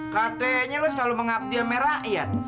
katanya lo selalu mengaktil me rakyat